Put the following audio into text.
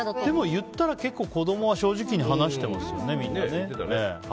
でも言ったら子供は正直に話してますよね、みんな。